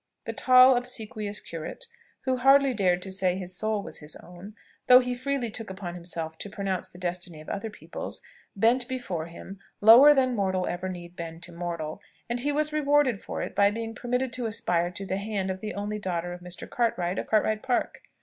The tall, obsequious curate, who hardly dared to say his soul was his own, though he freely took upon himself to pronounce the destiny of other people's, bent before him, lower than mortal ever need bend to mortal; and he was rewarded for it by being permitted to aspire to the hand of the only daughter of Mr. Cartwright, of Cartwright Park.